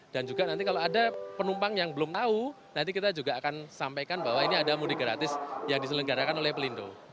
dan juga nanti kalau ada penumpang yang belum tahu nanti kita juga akan sampaikan bahwa ini ada mudik gratis yang diselenggarakan oleh pelindo